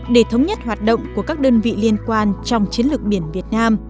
để thống nhất hoạt động của các đơn vị liên quan trong chiến lược biển việt nam